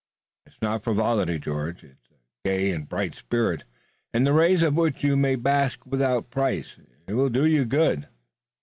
"It's not frivolity, George. It's a gay and bright spirit, in the rays of which you may bask without price. It will do you good."